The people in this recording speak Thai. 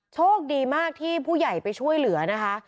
โชคดีมากที่ผู้ใหญ่ไปช่วยเหลือนะคะ